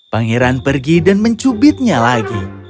pangeran pergi dan mencubitnya lagi